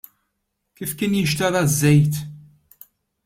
Kif kien jinxtara ż-żejt?